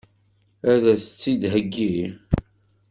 Ad as-tt-id-theggi?